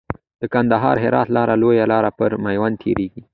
د کندهار هرات لاره لويه لار پر ميوند تيريږي .